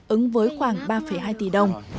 ứng với khoảng ba hai tỷ đồng